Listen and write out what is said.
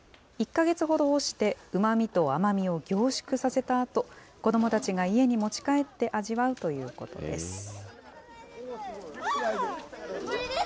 １か月ほど干して、うまみと甘みを凝縮させたあと、子どもたちが家に持ち帰って味わうということです。